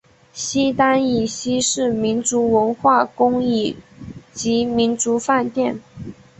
西单以西是民族文化宫以及民族饭店。